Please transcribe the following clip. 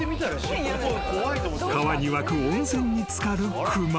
［川に湧く温泉に漬かる熊］